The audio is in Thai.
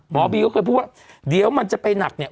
หมอบีก็เคยพูดว่าเดี๋ยวมันจะไปหนักเนี่ย